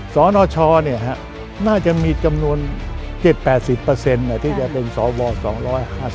สนชน่าจะมีจำนวน๗๘๐ที่จะเป็นสว๒๕๐